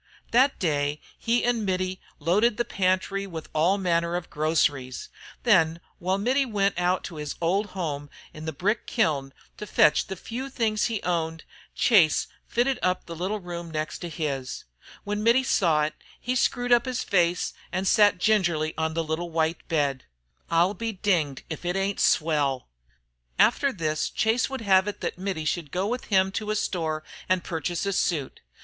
That day he and Mittie loaded the pantry with all manner of groceries. Then while Mittie went out to his old home in the brick kiln to fetch the few things he owned, Chase fitted up the little room next to his. When Mittie saw it he screwed up his face and sat gingerly on the little, white bed. "I'll be dinged if it ain't swell!" After this, Chase would have it that Mittie should go with him to a store and purchase a suit.